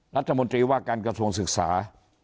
รัฐมนตรีว่าการกระทรวงศึกษา